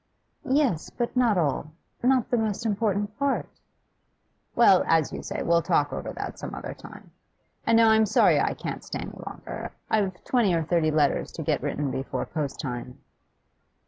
'Yes, but not all. Not the most important part' 'Well, as you say, we'll talk over that some other time. And now I'm sorry I can't stay any longer. I've twenty or thirty letters to get written before post time.